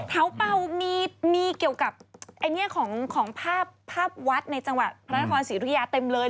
เถาเป่ามีเกี่ยวกับของภาพวัดในจังหวัดพระราคารศิริยาเต็มเลย